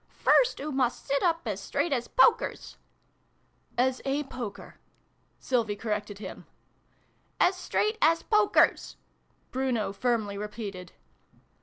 " First oo must sit up as straight as pokers as a poker," Sylvie corrected him. as straight as pokers" Bruno firmly repeated.